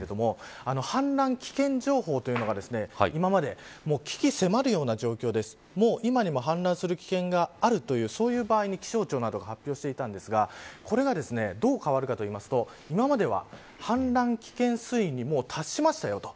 ちょうど今日から氾濫危険水位という情報が変わるんですけど氾濫危険情報というのが今まで、危機迫るような状況でもう、今にも氾濫する危険があるそういう場合に気象庁などが発表していたんですがこれが、どう変わるかというと今までは氾濫危険水位に達しましたよと。